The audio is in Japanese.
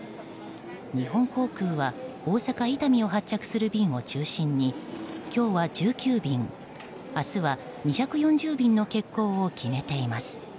日本航空は大阪・伊丹を発着する便を中心に今日は１９便、明日は２４０便の欠航を決めています。